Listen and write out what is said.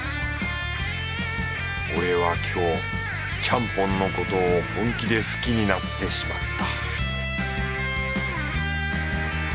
俺は今日ちゃんぽんのことを本気で好きになってしまった